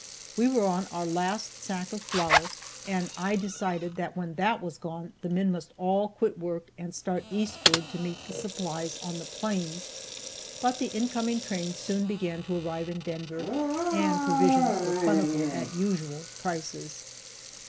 We were on our last sack of flour, and I decided that when that was gone the men must all quit work and start eastward to meet the supplies on the plains. But the incoming trains soon began to arrive in Denver, and provisions were plentiful at usual prices.